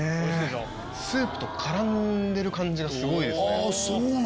スープと絡んでる感じがすごいですね。